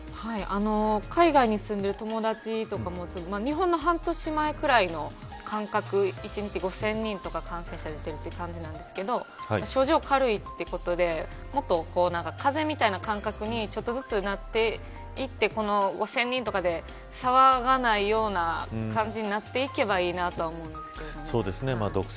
海外に住んでいる友達とかも日本の半年くらい前の感覚１日５０００人とか感染が出ている感じなんですけど症状が軽いということで風邪みたいな感覚にちょっとずつなっていって、１０００人とかでさわがないような感じになっていけばいいなと思うんですけど。